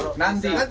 semua mayat diangkat